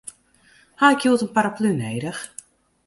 Ha ik hjoed in paraplu nedich?